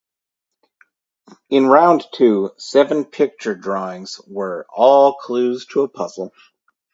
In round two, seven picture drawings were all clues to a puzzle.